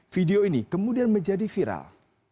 video ini kemudian menjadi viral